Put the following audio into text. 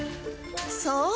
そう！